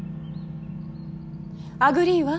アグリーは？